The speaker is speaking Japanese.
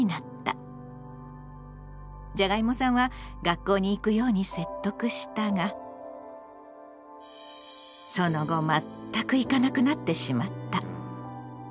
じゃがいもさんは学校に行くように説得したがその後全く行かなくなってしまった。